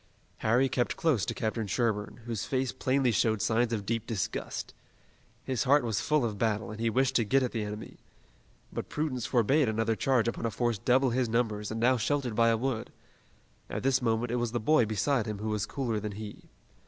Harry kept close to Captain Sherburne, whose face plainly showed signs of deep disgust. His heart was full of battle and he wished to get at the enemy. But prudence forbade another charge upon a force double his numbers and now sheltered by a wood. At this moment it was the boy beside him who was cooler than he.